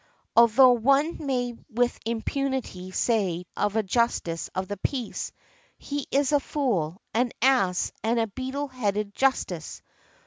Although one may with impunity say of a Justice of the Peace, "He is a fool, an ass and a beetle headed justice" .